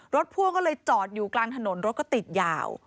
พ่วงก็เลยจอดอยู่กลางถนนรถก็ติดยาว